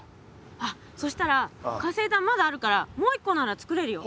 あっそしたら活性炭まだあるからもう一個ならつくれるよ。